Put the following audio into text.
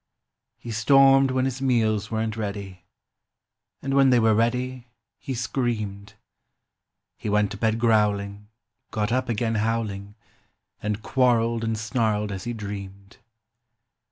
He stormed when his meals weren't ready, And when they were ready, he screamed. He went to bed growling, got up again howling And quarreled and snarled as he dreamed.